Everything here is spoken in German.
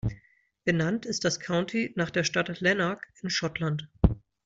Benannt ist das County nach der Stadt Lanark in Schottland.